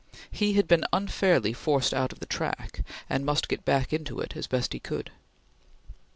He had been unfairly forced out of the track, and must get back into it as best he could.